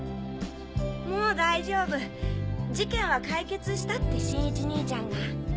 ・もう大丈夫事件は解決したって新一にいちゃんが。